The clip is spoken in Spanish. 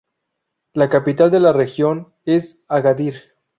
La capital de la región es Agadir.